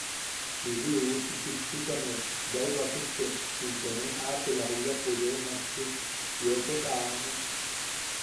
Ii uusi chiktukame bai wasukten into nuen apela juyapo yeu makchuk jiokot aanen.